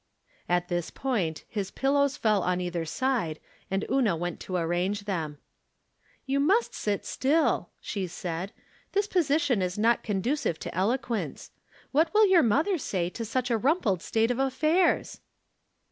At this point his pillows felt on either side, and Una went to arrange them. " You must sit still," she said. " This position is not conducive to eloquence. What will your mother say to such a rumpled state of affairs